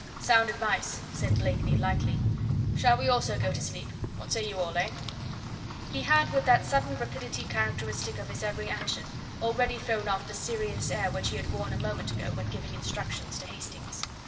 "Sound advice," said Blakeney lightly. "Shall we also go to sleep? What say you all eh?" He had with that sudden rapidity characteristic of his every action, already thrown off the serious air which he had worn a moment ago when giving instructions to Hastings.